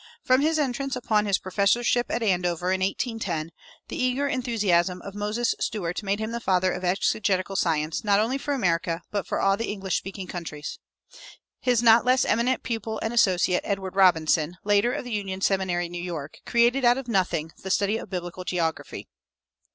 From his entrance upon his professorship at Andover, in 1810, the eager enthusiasm of Moses Stuart made him the father of exegetical science not only for America, but for all the English speaking countries. His not less eminent pupil and associate, Edward Robinson, later of the Union Seminary, New York, created out of nothing the study of biblical geography.